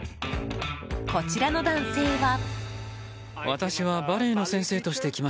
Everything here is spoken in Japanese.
こちらの男性は。